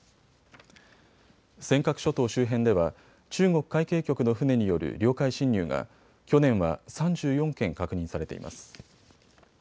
尖閣諸島周辺では中国海警局の船による領海侵入が去年は３４件確認されています。